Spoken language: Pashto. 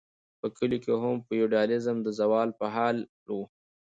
په کلیو کې هم فیوډالیزم د زوال په حال و.